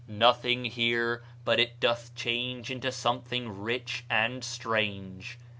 "Nothing here but it doth change into something rich and strange."